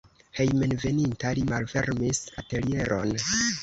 Hejmenveninta li malfermis atelieron.